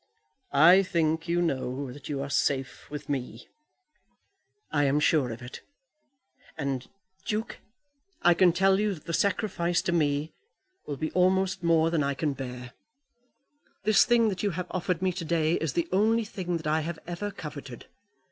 "I think you know that you are safe with me." "I am sure of it. And, Duke, I can tell you that the sacrifice to me will be almost more than I can bear. This thing that you have offered me to day is the only thing that I have ever coveted.